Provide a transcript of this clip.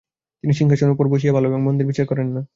তিনি সিংহাসনের উপর বসিয়া ভাল এবং মন্দের বিচার করেন না।